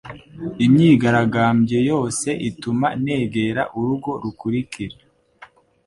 Imyigaragambyo yose ituma negera urugo rukurikira.”